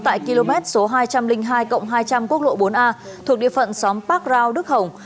tại km số hai trăm linh hai hai trăm linh quốc lộ bốn a thuộc địa phận xóm park dao đức hồng